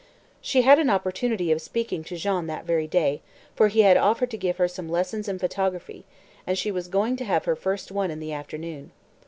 She had an opportunity of speaking to Jean that very day, for he had offered to give her some lessons in photography, and she was going to have her first one in the afternoon.